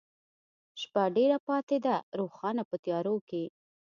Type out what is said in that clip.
شپه ډېره پاته ده ښارونه په تیاروکې،